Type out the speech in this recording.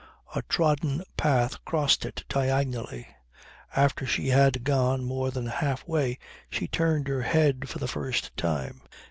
A trodden path crossed it diagonally. After she had gone more than half way she turned her head for the first time.